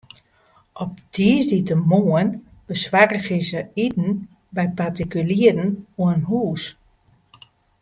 Op tiisdeitemoarn besoargje se iten by partikulieren oan hûs.